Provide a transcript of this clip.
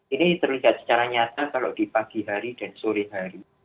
ini terlihat secara nyata kalau di pagi hari dan sore hari